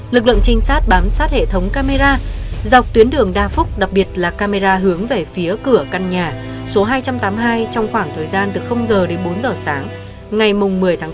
lực lượng trinh sát bám sát hệ thống camera dọc tuyến đường đa phúc đặc biệt là camera hướng về phía cửa căn nhà số hai trăm tám mươi hai trong khoảng thời gian từ h đến bốn giờ sáng ngày một mươi tháng sáu